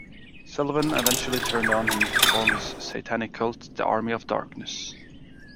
Sullivan eventually turned on him to form his "Satanic cult", The Army of Darkness.